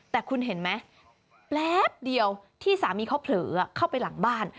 แต่คุณเห็นไหมแป๊บเดียวที่สามีเขาเผลอเข้าไปหลังบ้าน